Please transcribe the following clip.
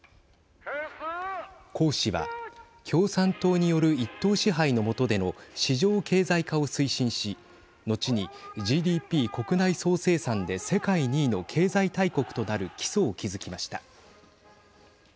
江氏は共産党による一党支配のもとでの市場経済化を推進し後にＧＤＰ＝国内総生産で世界２位の経済大国となる基礎を築きました。